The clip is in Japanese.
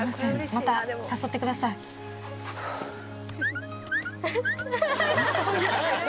また誘ってくださいうん？